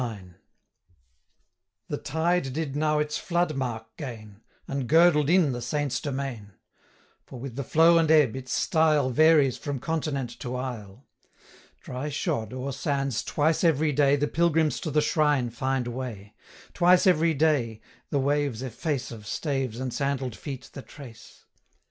IX. The tide did now its flood mark gain, And girdled in the Saint's domain: 155 For, with the flow and ebb, its style Varies from continent to isle; Dry shod, o'er sands, twice every day, The pilgrims to the shrine find way; Twice every day, the waves efface 160 Of staves and sandall'd feet the trace.